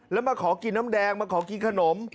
แล้วมาขอกินน้ำแดงมาขอกินขนม